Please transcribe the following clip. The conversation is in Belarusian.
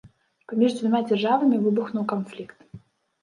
Паміж дзвюма дзяржавамі выбухнуў канфлікт.